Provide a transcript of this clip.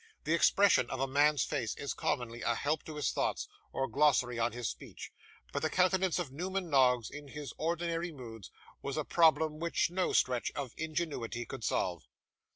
The expression of a man's face is commonly a help to his thoughts, or glossary on his speech; but the countenance of Newman Noggs, in his ordinary moods, was a problem which no stretch of ingenuity could solve.